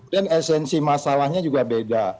dan esensi masalahnya juga beda